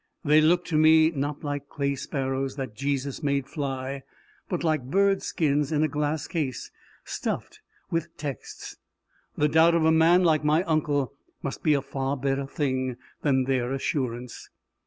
They look to me, not like the clay sparrows that Jesus made fly, but like bird skins in a glass case, stuffed with texts. The doubt of a man like my uncle must be a far better thing than their assurance!